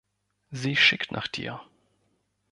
Sie schickt nach dir.